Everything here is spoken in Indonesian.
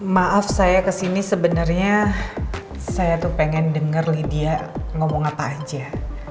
maaf saya kesini sebenarnya saya tuh pengen denger lydia ngomong apa aja